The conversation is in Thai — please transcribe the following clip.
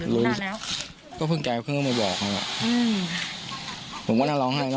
ลึกแล้วรู้รู้สึกยังไง